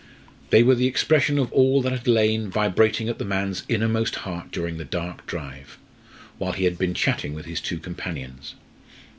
They were the expression of all that had lain vibrating at the man's inmost heart during the dark drive, while he had been chatting with his two companions.